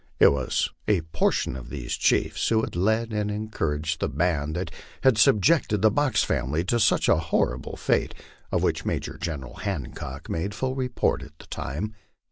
It was a por tion of these chiefs who had led and encouraged the band that had subjected the Box family to such a horrible fate, of which Major Gcneral Hancock made full report at the time.